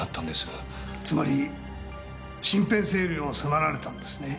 つまり身辺整理を迫られたんですね？